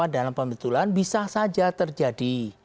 dalam pembetulan bisa saja terjadi